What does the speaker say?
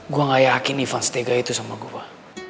gue gak yakin ivan setegah itu sama gue